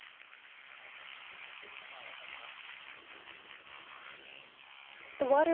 かなり川幅が広がっているのが分かります。